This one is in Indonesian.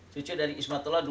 cucuk dari ismatullah dua